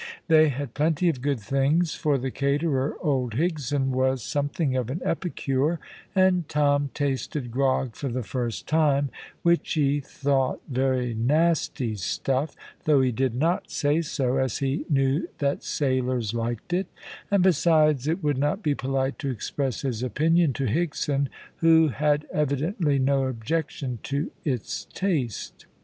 They had plenty of good things, for the caterer, old Higson, was something of an epicure; and Tom tasted grog for the first time, which he thought very nasty stuff, though he did not say so, as he knew that sailors liked it; and besides it would not be polite to express his opinion to Higson, who had evidently no objection to its taste.